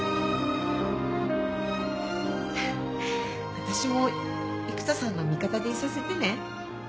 私も育田さんの味方でいさせてね。